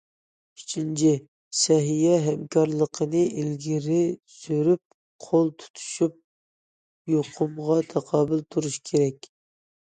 ئۈچىنچى، سەھىيە ھەمكارلىقىنى ئىلگىرى سۈرۈپ، قول تۇتۇشۇپ يۇقۇمغا تاقابىل تۇرۇش كېرەك.